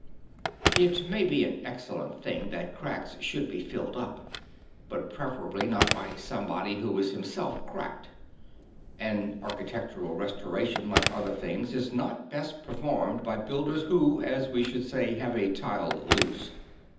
It may be an excellent thing that cracks should be filled up, but prefer ably not by somebody who is himself cracked; and architectural restoration like other things is not best performed by builders who, as we should say , have a tile loose.